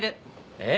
え？